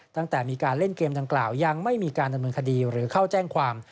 ตั้งแต่มีการเล่นเกมดังกล่าวยังไม่มีการดำเนินคดีหรือเข้าแจ้งความ